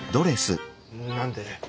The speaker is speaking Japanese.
何で？